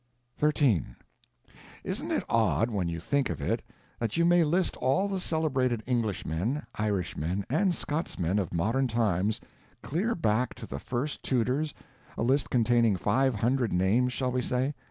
XIII Isn't it odd, when you think of it, that you may list all the celebrated Englishmen, Irishmen, and Scotchmen of modern times, clear back to the first Tudors—a list containing five hundred names, shall we say?